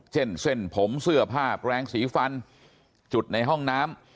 เช่นเส้นผมเสื้อผ้าแปลงสีฟันจุดในห้องน้ำ